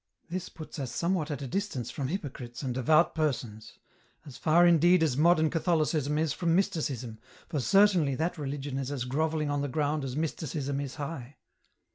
" This puts us somewhat at a distance from hypocrites and devout persons ; as far indeed as modern Catholicism is from Mysticism, for certainly that religion is as grovelling on the ground as Mysticism is high